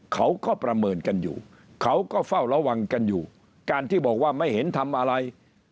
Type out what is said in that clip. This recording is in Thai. เขาก็ประเมินกันอยู่เขาก็เฝ้าระวังกันอยู่การที่บอกว่าไม่เห็นทำอะไร